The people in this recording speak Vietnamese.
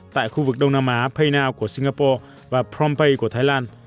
tại khu vực đông nam á payna của singapore và prompay của thái lan